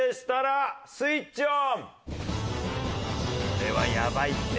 これはやばいって。